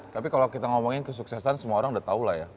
tapi kalau kita ngomongin kesuksesan semua orang udah tau lah ya